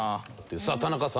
さあ田中さん